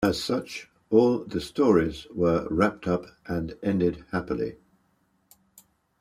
As such, all the stories were wrapped up and ended happily.